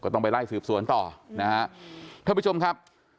ต้องไปไล่สืบสวนต่อนะฮะท่านผู้ชมครับ